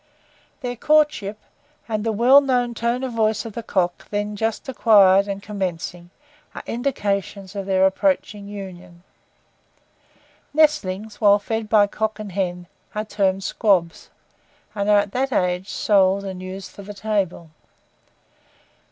Their courtship, and the well known tone of voice in the cock, just then acquired and commencing, are indications of their approaching union. Nestlings, while fed by cock and hen, are termed squabs, and are, at that age, sold and used for the table.